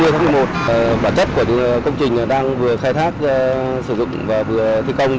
hai mươi tháng một mươi một bản chất của công trình đang vừa khai thác sử dụng và vừa thi công